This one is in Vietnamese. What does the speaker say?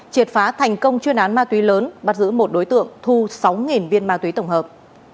triệt phá thành công chuyên án ma túy lớn bắt giữ một đối tượng thu sáu viên ma túy tổng hợp